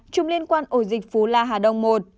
một mươi ba chùm liên quan ổ dịch phú la hà đông một